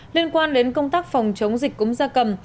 liên quan đến công tác phòng chống dịch cúm da cầm